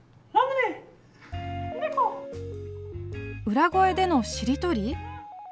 裏声での「しりとり」